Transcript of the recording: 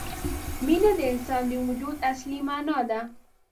مینه د انسان د وجود اصلي معنا ده.